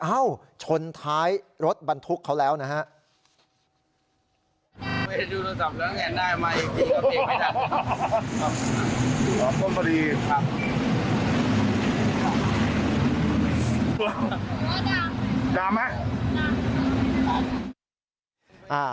ชนท้ายรถบรรทุกเขาแล้วนะฮะ